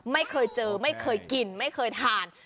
ไม่เคยเจอไม่เคยกินไม่เคยทาน